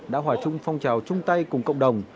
đã hòa chung phong trào chung tay cùng cộng đồng